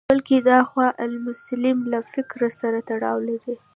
بلکې د اخوان المسلمین له فکر سره تړاو لري.